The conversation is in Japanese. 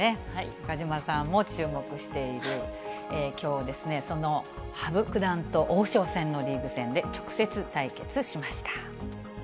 中島さんも注目している、きょうですね、その羽生九段と王将戦のリーグ戦で直接対決しました。